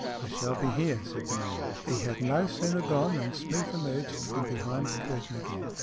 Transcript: " I shall be here," said the man. He had no sooner gone than Smeath emerged from behind the curtain again.